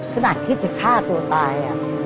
ขนาดคิดจะฆ่าตัวตาย